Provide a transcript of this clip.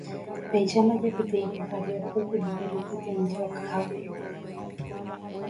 Péicha ndaje peteĩ pyhare ohókuri Peru peteĩ jerokyhápe.